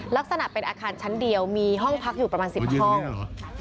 ลักษณะเป็นอาคารชั้นเดียวมีห้องพักอยู่ประมาณ๑๐ห้อง